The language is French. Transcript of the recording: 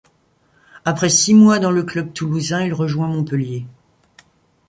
Après six mois dans le club toulousain, il rejoint Montpellier.